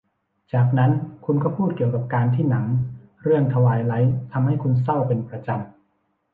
จากนั้นคุณก็พูดเกี่ยวกับการที่หนังเรื่องทไวไลท์ทำให้คุณเศร้าเป็นประจำ